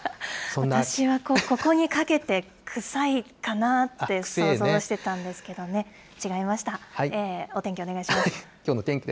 私はここにかけて、くさいかなって想像してたんですけどね、違いました。